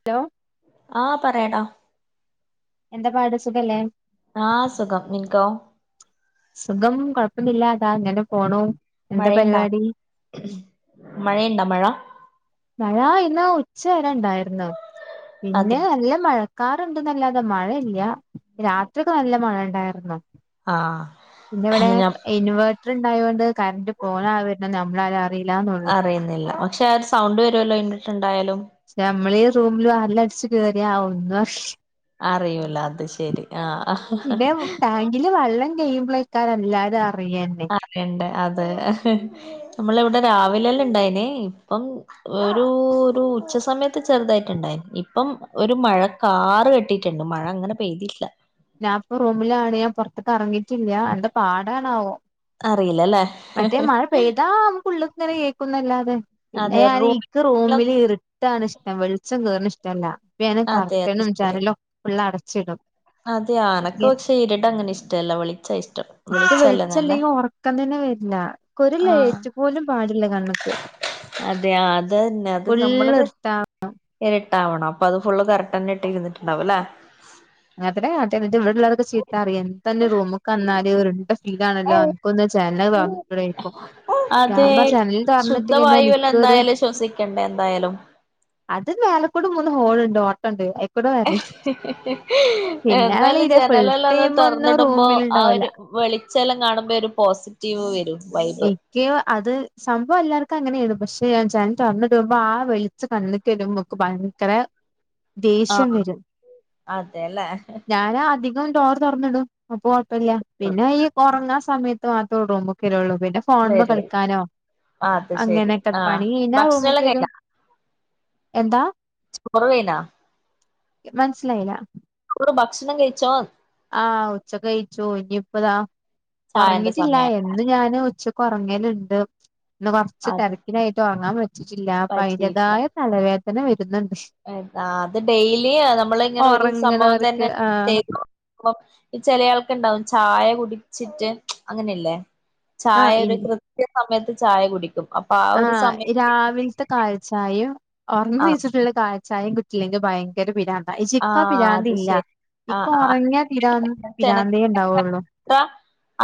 Hello ആ പറയടാ എന്താ പാട് സുഖല്ലേ ആഹ് സുഖം നിൻക്കോ? സുഖം കൊഴപ്പന്നില്ല ഇതായിങ്ങനെ പോണു എന്താ പരിപാടി മഴയിണ്ടോ? മഴ മഴ ഇന്ന് ഉച്ച വരെണ്ടായിര്ന്ന് പിന്നെ അതെ നല്ല മഴ കാറ്ണ്ട്ന്നല്ലാതെ മഴയില്ല രാത്രിയൊക്കെ നല്ല മഴണ്ടായിരുന്നു ആഹ് പിന്നെ ഇവിടെ ഞാൻ ഇൻവേർട്ടർ ഉണ്ടായോ ണ്ട് കറന്റ് പോകണാ വരുന്നേ നമ്മളാരും അ റീല്ലന്നൊള്ളൂ അറിയുന്നില്ല പക്ഷെ ആ സൗണ്ട് വരുവ ല്ലോ ഇൻവെർട്ടർ ഉണ്ടായാലും നമ്മള് ഈ റൂമില് വാതില് അടിച്ച് കേയറിയാ ഒന്നുറീല അറിയൂല അത് ശരി ആ പിന്നെ ടാങ്കില് വെള്ളം കഴിയുമ്പോഴേക്കാരം എല്ലാരും അറിയന്നെ അറിയണ്ടേ അതെ നമ്മള് ഇവിടെ രാവിലെല്ലാം ഇണ്ടായിനീ ഇപ്പം ഒരു ഒരു ഉച്ച സമയത്ത് ചെറുതായിട്ടുണ്ടായിരുന്നു ഇപ്പം ഒരു മഴ കാറുകെട്ടിയിട്ടുണ്ട് മഴയങ്ങനെ പെയ്തില്ല ഞാനിപ്പൊറൂമിലാണ്, ഞാൻ പുറത്തേക്കിറങ്ങിയിട്ടില്ല. എന്ത പാടാണാവോ അറിയില്ലല്ലേ, ഹ്.. മറ്റേ ഹ്.. മഴ പെയ്താ നമുക്കുള്ള് ന്നന്നെ കേൾക്കുന്നല്ലാതെ പിന്നെ അതെ ഞാനീ റൂമിൽ എനിക്കുറൂമിലിരിട്ടാണിഷ്ടം. വെളിച്ചം കേറുന്നയിഷ്ടല്ല, അപ്പ ഞാനെ അതെ അത് കർട്ടനും, ശരി ജനലും ഫള്ളടച്ചിടും അതെ ആനക്കുപക്ഷെ ഇരിട്ടങ്ങനെയിഷ്ടമല്ല. വെളിച്ചായിഷ്ടം. വിളിച്ചല്ലേനല്ലേ ഉറക്കംതന്നെ വരില്ല. ക്കൊരുലൈറ്റു പോലും പാടില്ല കണ്ണിക്ക് അതെ ആ അതന്നെ അതുനമ്മളത് ഇർട്ടാ ഇരിട്ടാവണം അപ്പൊ അതു ഫുളള് കറക്റ്റുതന്നെ ഇട്ടിരിന്നിട്ടുണ്ടാവുമല്ലേ അങ്ങനത്തെ കാ ട്ടീലിവിടെയുള്ളതൊക്കെ ചീത്തറിയും എത്താൻ്റെ റൂമ്ക്കെന്നാല് ഫീലാണല്ലോ അനക്കൊന്നു ജനല് തുറന്നുടെ ചോയ്ക്കും അതെ, ശുദ്ധവായുവല്ലെ ഇൻക്കൊരു ന്തായാലും ശ്വസിക്കണ്ടേ എന്തായാലും അതു മേലേക്കൂടെ മൂന്നു ഹോളുണ്ട് ഓട്ടണ്ട് അയ്ക്കൂടെ വര പിന്നെ എന്നാലും കളിയില്ല ഫുൾ ജനലെല്ലാം ഒന്നു ടൈം ഒന്നും തുറന്നിടുമ്പോ ആ റൂമിലുണ്ടാവില്ല ഒരു.. വെളിച്ചെല്ലാംകാണുമ്പോ ഒരു പോസിറ്റീവ് വരും. വൈബ് യ്യോ, അതുസംഭവം എല്ലാവർക്കും അങ്ങനെയാണ് പക്ഷെ ഞാൻ ജനൽതൊന്ന് ടുമ്പം ആ വെളി പും കണ്ണ് കരുമ്പംക്ക് ബയങ്കര ദേഷ്യംവരും. അതെല്ലേ ഞാനാദ്യം ഞാൻഡോർ തുറന്നിടും. അപ്പൊ കുഴപ്പമില്ല, പിന്നെയീ യുറങ്ങാൻ സമയത്തു മാത്രം റൂമിക്കരുള്ളൂ പിന്നെ ഫോണ് മ്മ വരും കളിക്കാനോ അത് ശരി അങ്ങനെയൊക്കെ ആഹ് പണി ഭക്ഷണം എല്ലാം കയ്ഞ്ഞാറൂമിൽകേറും കഴിഞ്ഞാ എന്താ ഓർമ്മയുണ്ടോ മനസ്സിലായില്ല ഭക്ഷണം കഴിച്ചോന്ന് ആഹ്. ഉച്ചകഴിച്ചു ഇനിയിപ്പതാ ചായന്റെ സമയാ ഉറങ്ങിട്ടില്ലായി എന്നുംഞാനുംഉച്ചക്കുറങ്ങലുണ്ട്, അതെ ഇന്നുകൊറച്ചുതിരക്കിലായിട്ടുറങ്ങാൻ പറ്റി റ്റിയിട്ടില്ല പ്പ യിന്റേതായ തലവേദന വരുന്നുണ്ട് ആ അത്ത് ഡെയിലി നമ്മളിങ്ങനെ ഒരു സംഭവം ഒറങ്ങണവർക്ക് തന്നെ ആഹ് ചെയ്തു ഇപ്പം, ചിലയാൾക്കാർക്കുണ്ടാവും, ചായ കുടിച്ചിട്ടങ്ങനെയില്ലേ ആഹ് ഇൻ ചായയൊരു കൃത്യ സമയത്തുചായ കുടിക്കും. അ ആഹ്‌, രാവിൽ ത്തെകാലിചായയും ആ ഓർങ്ങിണീച്ചിട്ടുള്ള കാലിചായയും കിട്ടിയില്ലെങ്കിൽ ഭയങ്കര പിരാ ആ ഇച്ചിപ്പം അത് പിരാന്തില്ല, ശരി ആ ഇപ്പം ആ ഒറങ്ങിയാതീരാവുന്നപിരാന്തേയുണ്ടാവുള്ളു ആഹ്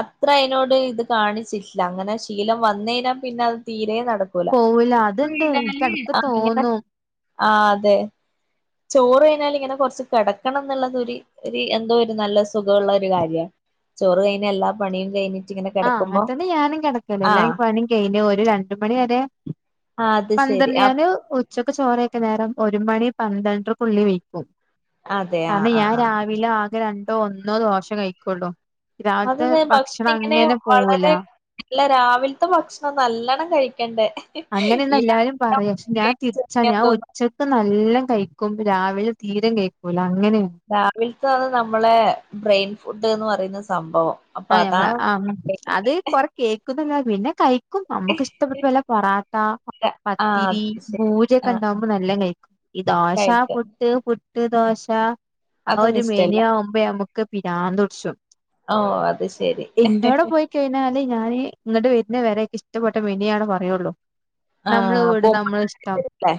അത്രയതിനോടിതുകാണിച്ചില്ല, അങ്ങനെ ശീലം വന്നുകഴിഞ്ഞാൽ പിന്നെ അതുതീരെ നടക്കു പോവൂല അതുണ്ട് എനിക്കിടക്കുതോന്നും ആഹ് അതെ ചോറു കഴിഞ്ഞാലിങ്ങനെ കൊറച്ചു കെടക്കണന്നുള്ളത് ഒരു ഒര് എന്തോ ഒരു നല്ല സുഖമുള്ള ഒരു കാര്യാ ചോറു കഴിഞ്ഞ് എല്ലാ പണിയും കഴിഞ്ഞ് ആഹ് അങ്ങനെ തന്നെ ഞാനും കെടക്കല് എല്ലാം ഈ പണി കഴിഞ്ഞ് ഒര് രണ്ടു മണി വരെ ആഹ് അത് ശരി ആ [unintelligible] ഉ ച്ചക്കു ചോറ് കഴിക്കാൻ നേരം ഒരു മണി പന്ത്രണ്ടരക്കുള്ളി വെക്കും അതെ ആഹ് കാരണം ആഹ് ഞാൻ ആഹ് രാവി [unintelligible] ആകെ രണ്ടോ ഒന്നോ ദോശ കഴിക്കൊള്ളൂ രാവിലത്തെ ഭക്ഷണ അങ്ങനെ വളരെ അല്ല രാവിലത്തെ ഭക്ഷണം നല്ലോണം കഴിക്കണ്ടേ അങ്ങനെയെന്ന് എല്ലാരും പറയും പക്ഷെ ഞാൻ തിരിച്ചാ ഞാൻ ഉച്ച ഇപ്പം നല്ല കഴിക്കും രാവിലെ തീരെ കഴിക്കൂല അങ്ങനേണ് രാവിലത്തേണ് നമ്മളെ ബ്രെയിൻ ഫുഡ്ന്ന് പറയുന്ന സംഭവം അപ്പൊ ആഹ് ഞമ്മള് അതാണ് അം അത് കൊറെ കേൾക്കൂന്നല്ലാതെ പിന്നെ കഴി ക്കും അമ്മക്കിഷ്ടപ്പെട്ട വല്ല പൊറാട്ട ആഹ് പത്തിരീ അത് ശരി ബുരിയൊക്കെ ആഹ് ഇണ്ടാവുമ്പോ നല്ല കഴിക്കും ഈ ദോശ കഴിക്ക പു ട്ട് പുട്ട് ദോശ ആ അതൊന്നും ഒരു ഇഷ്ടല്ല മെനു അവുമ്പോ നമുക്ക് പിരാന്ത് പിടിച്ചും ഓഹ് അത് ശെ ഇൻ്റോടെ പോയി കഴിഞ്ഞാല് ഞാന് ഇങ്ങട്ട് വെര് ണ വരേ എനിക്ക്ഷ്ടപ്പെട്ട മെനുവാണേ പറയുള്ളൂ. നമ്മളെ ആഹ് വീട് പോകുമ്പോ നമ്മളെ ഇഷ്ടം ല്ലേ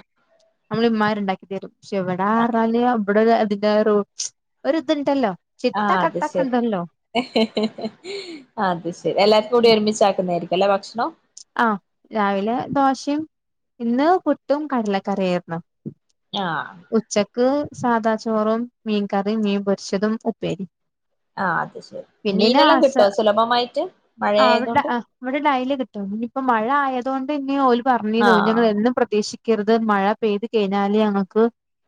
നമ്മളെ ഇമ്മാര് ഉണ്ടാക്കി തരും പക്ഷെ ഇവിടെ [unintelligible] ഇവിടൊരു അതിൻ്റേതായ റൂ ഒരിത്ണ്ടല്ലോ ആഹ് അത് ശരി അത് ശരി എല്ലാർക്കൂടി ഒരുമിച്ചാക്കുന്നാരി എല്ലാ ഭക്ഷണോം ആഹ് രാവിലെ ദോശേം ഇന്ന് പുട്ടും കടലക്കറിയായിരുന്നു. ആഹ് ഉച്ചക്ക് സാധാ ചോറും മീൻ കറിം മീൻ പൊരിച്ചതും ഉപ്പേരിം ആഹ് അത് ശരി മീനെല്ലാം കിട്ടോ സുലഭമായിട്ട് മഴ ആഹ് അവിടെ ആയതൊണ്ട് ആഹ് ഇവിടെ ഡയ്ലി കിട്ടും ഇനിയിപ്പൊ മഴ ആയതോണ്ട് ഇന്നി ഓല് പറഞ്ഞീന്നു ഇനി ഞങ്ങളെ ആഹ് എന്നും പ്രതീക്ഷി ക്കരുത് മഴ പെയ്ത് കഴിഞ്ഞാല് ഞങ്ങക്ക്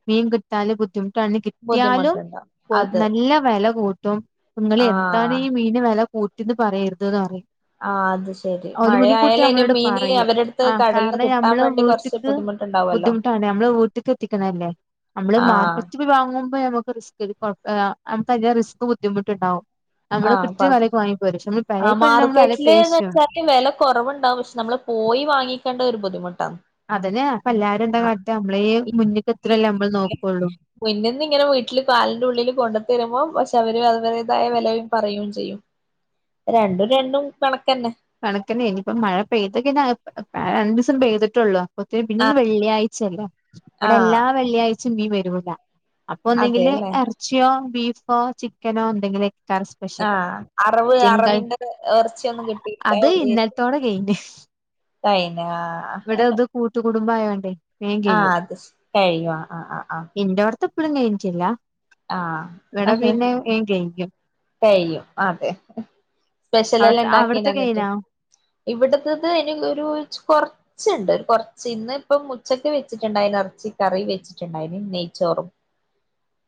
മീൻ കിട്ടാല് ബുദ്ധിമുട്ടാണ് ഇനി കിട്ടിയാലും ബുദ്ധിമുട്ടുണ്ടാവും അത് നല്ല വെല കൂട്ടും ങ്ങള് എന്താണീ ആഹ് മീനിന് വെല കൂട്ടിയേന്ന് പറയരുത് ന്ന് പറയും ആഹ് അത് ശരി ഓല് മുൻകൂട്ടി മഴയായാല് ഇനി നമ്മളോട് മീന് പറയും അവരടുത്ത് ആ കടലിന്ന് കാരണം കിട്ടാൻ ഞമ്മള് വേണ്ടി വീട്ടി കുറച്ച് ക്ക് ബുദ്ധിമുട്ടുണ്ടാവല്ലോ ബുദ്ധിമുട്ടാണ് നമ്മള വീട്ടിക്ക് എത്തിക്കണല്ലേ നമ്മള് ആഹ് മാർക്കറ്റ് പോയ് വാങ്ങുമ്പോ നമുക്ക് റിസ്കെട് കൊഴപ് ആഹ് നമുക്കധികം റിസ്കും ബുദ്ധിമുട്ടുണ്ടാവും. നമ്മള് ആഹ് പ കൃത്യം വെലയ്ക്ക് വാങ്ങി പോരും പക്ഷെ നമ്മള് പെരേക്ക് വരണ് അമ്മള് വെല പേശും ക്ക് വെല കൊറവ്ണ്ടാവും പക്ഷെ നമ്മള് പോയി വാങ്ങിക്കേണ്ട ഒരു ബുദ്ധിമുട്ടാന്ന് അതന്നെ അപ്പ എല്ലാരും എന്താ കാട്ട അമ്മളേ മുന്നിക്കെത്തണല്ലേ അമ്മള് നോക്കുള്ളൂ. മുന്ന്ന്ന്ങ്ങനെ വീട്ടില് കാലിന്റുള്ളില് കൊണ്ട് തെരുമ്പോ പക്ഷെ അവര് അവര്ടേതായ വെലയും പറയും ചെയ്യും. രണ്ടും രണ്ടും കണക്കന്നെ കണക്കെന്നേ ഇഞ്ഞീപ്പോ മഴ പെയ്ത് കഴിഞ്ഞാ അഹ് രണ്ടൂസം പെയ്തിട്ടേള്ളൂ. ഒത്തിരി പിന്നൊന്ന് വെള്ളിയാഴ്ചല്ലേ ഇവിടെ ആഹ് എല്ലാ വെള്ളിയാച്ചേം മീൻ വരൂല അപ്പൊ ഒന്ന്ങ്കില് അതെല്ലേ എറച്ചിയോ ബീഫോ ചിക്കനോ എന്തെങ്കിലൊക്കെ കറി സ് ആഹ് അറവ് അറവിന്റെത് എറച്ചിയൊന്നും കിട്ട് അത് ഇന്നലത്തോടെ കഴിഞ്ഞു കൈന ഇവ്ടെ അത് കൂട്ടുകുടുംബായോണ്ടേ വേം ആഹ് കഴിയും അത് ശ് കഴിഞ്ഞൊ ആഹ് ആഹ് ആഹ് ആഹ് ത്തെ പ്പളും കെയ്ഞ്ഞ്റ്റില്ല. ആഹ് വടെ പിന്നെ വേം കെയ്യും കെയ്യും. അതെ അവി അവിടത്തെ സ്പെഷ്യലെല്ലാംണ്ടാക്കീന്നോന്നിട്ട്? കഴിഞ്ഞോ ഇവിടത്തത് ഇനീ ഒരു ചു കൊറ ച്ച്ണ്ട് ഒര് കൊർച്ച് ഇന്ന് ഇപ്പം ഉച്ചക്ക് വെച്ചിട്ടുണ്ടായിന് എർച്ചി കറി വെച്ചിട്ടുണ്ടായിന് നെയ്ച്ചോറും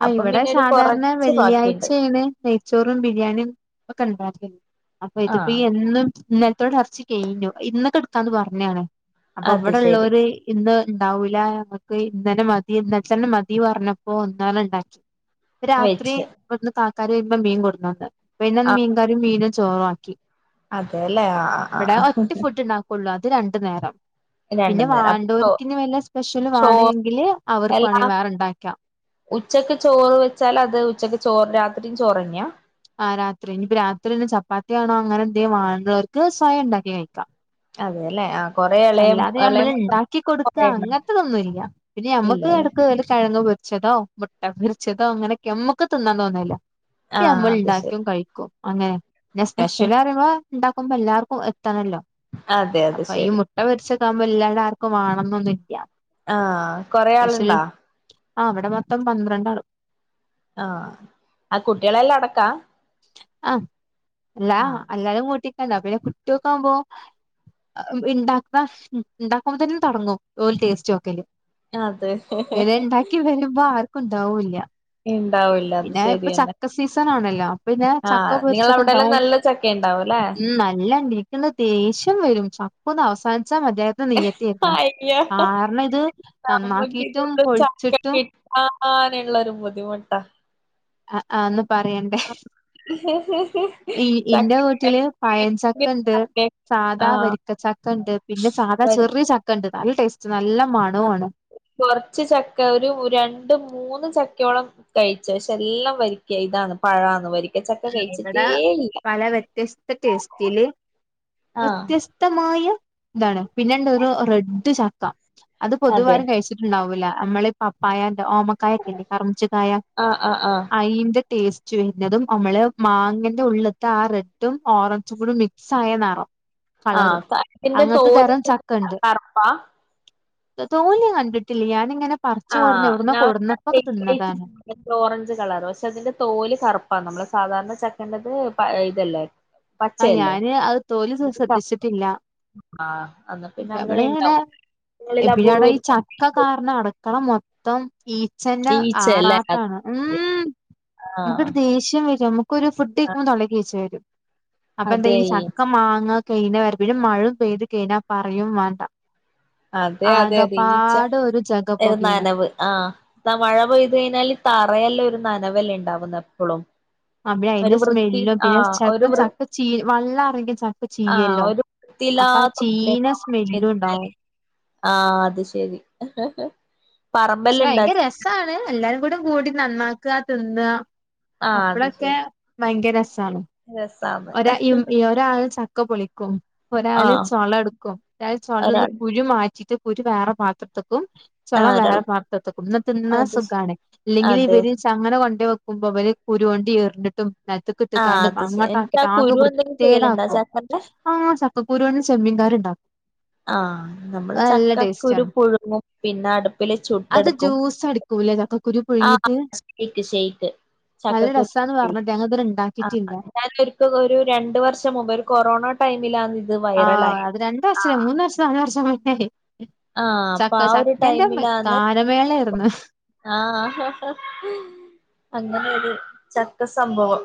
ആഹ് അപ്പം ഇവടെ പിന്നെ ഒരു സാധാര്ണെ കൊറച്ച് ബാക്കിയുണ്ട് വെള്ളിയാഴ്ചേണ് നെയ്ച്ചോറും ബിരിയാണിം ഒക്കെണ്ടാക്കല് അപ്പൊ ഇത്പ്പോ ഈ ആഹ് എന്നും ഇന്ന ൽത്തോടെ എർച്ചി കെയ്ഞ്ഞു ഇന്നൊക്ക്ട്ക്കാന്ന് പർഞ്ഞാണ് അപ്പൊ അത് ശരി വ്ടെള്ളോര് ഇന്ന് ണ്ടാവൂലാ മക്ക് ഇന്നന്നെ മതി ഇന്നൽത്തന്നെ മതി പർഞ്ഞപ്പോ ന്നലെണ്ടാക്കി. രാത്രി വെച്ച് ഇവട്ന്ന് കാക്കാര് വരുമ്പോ മീൻ കൊട്ന്നന്ന്. പിന്നെ ആ മീൻകറിം മീനും ചോറു ആക്കി അതെല്ലേ ആഹ്, ആഹ്, ആഹ്, ആഹ് കൊള്ളു അത് രണ്ട് നേരം. രണ്ടു പിന്നെ നേരം അപ്പൊ ചോ വാണ്ടോരിക്കിഞ്ഞ് വല്ല സ്പെഷ്യലും ചോ വാണേങ്കില് അവർക്ക് എല്ലാം വേണെങ്കിൽ വേറെണ്ടായ്ക്കാം. ഉച്ചക്ക് ചോറ് വെച്ചാൽ അത് ഉച്ചക്ക് ചോറ് രാത്രിം ചോറെന്ന്യാ. ആഹ്, രാത്രി ഇഞ്ഞ് പ്പോ രാത്രി തന്നെ ചപ്പാത്തിയാണോ അങ്ങനെ എന്തേം വാണ്ടോര്ക്ക് സ്വയണ്ടാക്കി കഴിക്കാം. അതെല്ലെ ആഹ് അല്ലാതെ ഞമ്മള് ണ്ടാക്കി കൊട്ക്കാ കൊറേ ഉണ്ടോ അങ്ങൻത്തതൊന്നുല്ല്യ. പിന്നെ ഞമ്മക്ക് ഇല്ലല്ലേ എടക്ക് വല്ല കെഴങ്ങ് പൊര്ച്ചതോ മുട്ട പൊരിച്ചതോ അങ്ങനൊക്കെ അമ്മക്ക് തിന്നാൻ തോന്നേല്ല്യ. പ്യ ആഹ് അമ്മൾ അത് ശരി ണ്ടായ്ക്കും കഴിക്കും. അങ്ങനെ പിന്നെ സ്പെഷ്യല്റയുമ്പോ ണ്ടാക്കുമ്പോ എല്ലാർക്കും എത്തണല്ലോ അതെ അതെ ശെരി. ട്ട പൊരിച്ചൊക്കെ ആവുമ്പോ എല്ലാര്ടെ ആർക്കും വേണന്നൊന്നുംല്ല്യ. ആഹ്, കൊറേ ആള്ണ്ടോ. ആഹ്, വ്ടെ മൊത്തം പന്ത്രണ്ടാള് ആഹ്, ആ കുട്ട്യളെല്ലാം അടക്കാ ആഹ്, എല്ലാ ആ അത് ശരി എല്ലാരെം കൂട്ടിക്കണ്ട പിന്നെ കുട്ടികക്കാവുമ്പോ ഇണ്ടാക്കാ ഇണ്ടാക്കുമ്പോത്തേനും തൊടങ്ങും ഓൽ ടേസ്റ്റോക്കല് അതെ പിന്നെ ണ്ടാക്കി വെരുമ്പോ ആർക്കും ണ്ടാവുല്ല്യ. ഇണ്ടാവൂല്ല അത് പിന്നെ ഇപ്പൊ ശരിയന്നെ ചക്ക സീസണാണല്ലോ അപ്പോ പിന്നെ ചക്ക ആഹ് നിങ്ങളവിടെല്ലാം പൊരിച്ചത്ണ്ടാവും. നല്ല ചക്ക ഉണ്ടാവുംല്ലേ ഉം അല്ലാന്റി എനിക്കങ്ങ് ദേഷ്യം വരും ചക്ക ഒന്ന് അവസാൻച്ചാ മതിയാ നിയ്യത്തേര്ന്ന്. അയ്യോ കാര്ണം ഇത് നന്നാക്കീട്ടും പൊഴിച്ചിട്ടും ആഹ് [unintelligible] നെള്ളൊരു ബുദ്ധിമുട്ടാ ആഹ് ആഹ് ഒന്ന് പറിയണ്ടേ ഇ ചക്ക ഇന്റെ വീട്ടില് പഴംചക്കണ്ട് സാധാ ആഹ് വരിക്കച്ചക്കണ്ട് പിന്നെ സാധാ വരി ചെറീ ചക്കണ്ട് നല്ല ടേസ്റ്റ് നല്ല മണവും ആണ്. കൊർച്ച് ചക്ക ഒരു രണ്ട് മൂന്ന് ചക്കയോളം കയ്ച്ച് പക്ഷേ എല്ലൊം വരിയ്ക്ക ഇതാണ് പഴാന്ന് വരി ആഹ് ഇവടെ പല വ്യത്യസ്ത ടേസ്റ്റില് ആഹ് വ്യത്യസ് ക്തമായ താണ് പിന്നെണ്ടറു റെഡ് ചക്ക അത് പൊതുവെ അതെ ആരും കഴിച്ചി ഉണ്ടാവൂല അമ്മളി പപ്പായ ൻ്റെ ഓമ കായക്കില്ല കറ്മുച്ച കായ ആഹ് ആഹ് ആഹ് അയിന്റെ ടേസ്റ്റ് വെര്ന്നതും അമ്മള് മാങ്ങന്റെ ഉള്ള്ത്തെ ആ റെഡും ഓറഞ്ചും കൂടി മിക്സായ നെറം. കളറ് ആഹ് ത ഇതിന്റെ അങ്ങൻത്തെ തോല് തെരം ചക്കണ്ട്. കറുപ്പാ തൊ തോല് ഞാ കണ്ടിട്ടില്ല്യ ഞാനിങ്ങനെ പറിച്ച് കൊട്ന്ന് ആഹ് എവ്ട്ന്നോ ഞാൻ കൊട്ന്നപ്പോക്കെ തിന്നതാണ് ഓറഞ്ച് കളറ് പക്ഷേ തിന്റെ തോല് കറ്പ്പാ നമ്മള് സാധാരണ ചക്കെന്റത് പ ഇതല്ലേ ആഹ് പച്ചയല്ലേ ഞാന് അത് തോല് ശ്ര ഇത് കറുപ്പാ. ശ്രദ്ധിച്ചിട്ടില്ല ആഹ് അന്നാപ്പിന്നെ അങ്ങനെ ഉണ്ടാവും നിങ്ങളിൽ ഇവിയെടെ ഈ അപൂർവം ചക്ക കാരണം അടുക്കള മൊത്തം ഈച്ചന്റെ ഈച്ചയല്ലേ അത്. ആറാട്ടാണ് ഉം ആഹ് നമുക്കൊരു ദേഷ്യം വരും നമുക്ക് ഒരു ഫുഡയ്ക്കുമ്പം തൊളേളക്ക് ഈച്ച വരും അപ്പോ എന്താ അതെ ഈ ഈച്ച, ചക്ക മാങ്ങ കഴിഞ്ഞ് വരുമ്പോഴും മഴ പെയ്ത് കഴിഞ്ഞാ പിന്നെ പറയും വേണ്ട അതെ അതെ അതെ ഈച്ച ആകപ്പാട് ഒരു ജഗ പുകയാണ് നനവ് ആഹ് ആ മഴ പെയ്തു കഴിഞ്ഞാല് തറയല്ലേ ഒരു നനവലെ ഉണ്ടാവുന്നെ എപ്പളും അബി അതിന്റെ ഒരു വൃത്തി സ്മെല്ലും പിന്നെ ആഹ് ഒരു ചെലപ്പം വൃ ചക്ക ചീ വള്ളറങ്ങി ചക്ക ആഹ് ചീയല്ലോ ഒരു അപ്പോ ആ വൃത്തിയില്ലാത്ത പോലെ ചീയുന്ന ഉണ്ടാവും മഴ പെയ്ത് സ്മെല്ലും കഴിഞ്ഞാല്. ഉണ്ടാവും ആഹ് അത് ശരി പക്ഷേ പറമ്പെല്ലാം ഇണ്ടാ ഭയങ്കര രസമാണ് എല്ലാരും കൂടെ കൂടി നന്നാക്കുക തിന്നുക ആഹ് അപ്പഴെക്കെ ഭയങ്കര രസമാണ് രമ്പാണ് ഒരാ ഒരാള് ചക്ക പൊളിക്കും ഒരാള് ആഹ് ചൊള എടുക്കും ഒരാള് ചൊളെന്ന് ഒരാൾ കുരു മാറ്റിട്ട് കുരു വേറെ പാത്രത്തക്കും ചൊള ആഹ് ഒരാൾ വേറെ പാത്രത്തിൽക്കും ന്നാതിന്നാൻ അത് ശ സുഖണേ ഇല്ലെങ്കിൽ അതെ ഇവര് [unintelligible] കൊണ്ട് വെക്കുമ്പോ ഇവര് കുരുകൊണ്ട് എറിഞ്ഞിട്ടും ആഹ് നിലത്തെക്കിട്ടേക്കാണ്ടും അത് ശരി അങ്ങോട്ട എന്നിട്ട് ആ ആകെ കുരു എന്തെങ്കിലും ചെയ്യലുണ്ടോ വൃത്തേടാക്കും ചക്കന്റെ ആഹ് ചക്കക്കുരുവും ചെമ്മീൻകറി ഉണ്ടാക്കും ആഹ് നമ്മള് അത് നല്ല ടേസ്റ്റ് ചക്കക്കുരു ആണ് പുഴുങ്ങും പിന്നെ അടുപ്പില് അത് ചുട്ടെടുക്കും ജ്യൂസ് അടിക്കൂലേ ചക്കക്കുരു പുഴുങ്ങിയിട്ട് ആഹ് ഷേക്ക് ഷേക്ക് ചക്കക്കുരു ഉണ്ടാക്കാന്ന് പറഞ്ഞിട്ട് ഞങ്ങള് ഇത് വരെ ഉണ്ടാക്കിട്ടില്ല ഞാനൊര്ക്കൽ ഒരു രണ്ട് വർഷം മുമ്പ് ഒരു കൊറോണ ടൈമിലാന്ന് ഇത് ആഹ് വൈറലായത് അത് രണ്ട് വർഷല്ല ആഹ് മൂന്ന് വർ ഷോ നാല് വർഷോ [unintelligible] ആഹ് അപ്പൊ ചക്ക ആ ഒരു ചക്കെന്റെ കാരമേള ആരുന്ന് ആ അങ്ങനൊരു ചക്ക സംഭവം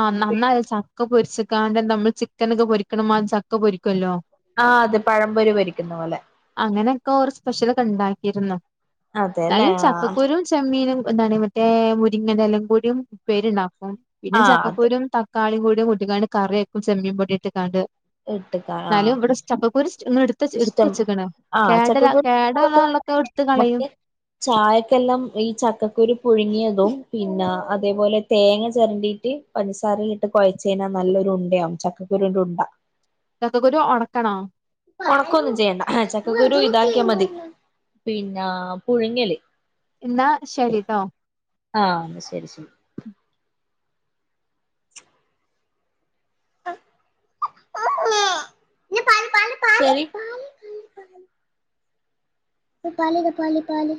ആഹ് നന്നായി ചക്ക പൊരിച്ചക്കാന്റെ നമ്മൾ ചിക്കന ക്കെ പൊരിക്കണമാ ചക്ക പൊരിക്കുവല്ലോ. ആ അതെ പഴം പൊരി പൊരിക്കുന്ന പോലെ അങ്ങനെയൊക്കെ ഓർ സ്പെഷ്യല ഒക്കെ ഉണ്ടാക്കിയിരുന്നു അതെല്ലേ എന്തായാലും ആഹ് ചക്കക്കുരും ചെമ്മീനും എന്താണ് മറ്റേ മുരിങ്ങ ൻ്റെ ല യും കൂടിം പ്പേരിണ്ടാക്കും പിന്നെ ആഹ് അത് ചക്കക്കൂരും തക് കാളി കൂടി കൂട്ടിക്കാണ്ട് കറി വെക്കും ചെമ്മീൻ പൊടിയിട്ട് കാണ്ട് ഇട്ടക്കാം എന്നാലും ആഹ് ഇവിടെ ചപ്പക്കൂരുഎടുത്ത് എടുത്ത് ഇഷ്ടം വച്ചക്കണ ആഹ് കേടര ചക്കക്കുരു നമുക്ക് കേടള്ളൊക്കെ എടുത്ത് കളയും നമുക്ക് ചായക്കെല്ലാം ഈ ചക്കക്കുരു പുഴുങ്ങിയതും പിന്നെ അതേപോലെ തേങ്ങ ചെരണ്ടിട്ട് പൻസാര ഇട്ട് കുഴച്ചഴിഞ്ഞാൽ നല്ലൊരു ഉണ്ടയാകും ചക്കക്കുരൂന്റെ ഉണ്ട ചക്കക്കുരു ഒണക്കണോ ഒണക്കും ഒന്നും ചെയ്യേണ്ട ചക്കക്കുരു ഇതാക്കിയാമതി പിന്നെ പുഴുങ്ങിയല്ലെ എന്നാ ശെരീട്ടോ ആ ശെരി ശെരി [unintelligible] പാല് പാല് പാല്